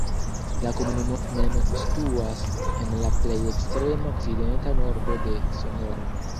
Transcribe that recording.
La komunumo mem situas en la plej ekstrema okcidenta nordo de Sonora.